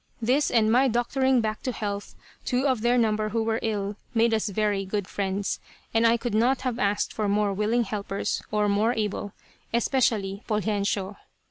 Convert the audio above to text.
This, and my doctoring back to health two of their number who were ill, made us very good friends, and I could not have asked for more willing helpers, or more able, especially Poljensio.